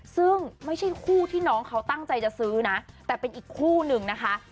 ซึ่งไม่ใช่คู่ที่น้องเขาตั้งใจจะซื้อนะแต่เป็นอีกคู่นึงนะคะ